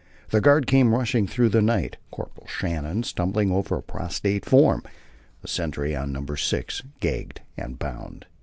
The guard came rushing through the night, Corporal Shannon stumbling over a prostrate form, the sentry on Number Six, gagged and bound.